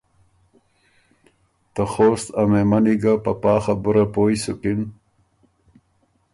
ته خوست ا مهمني ګه په پا خبُره پویٛ سُکِن